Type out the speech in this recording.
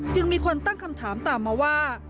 จึงมีคนตั้งคำถามตามมาว่า